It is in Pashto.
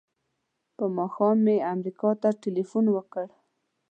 په ماښام مې امریکا ته ټیلفون وکړ.